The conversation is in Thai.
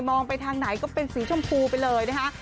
ไปทางไหนก็เป็นสีชมพูไปเลยนะคะ